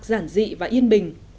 giản dịu và hấp dẫn